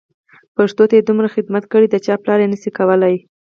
پښتو ته یې دومره خدمت کړی چې د چا پلار یې نه شي کولای.